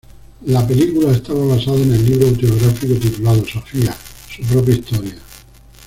La película estaba basada en el libro autobiográfico titulado "Sophia: su propia historia".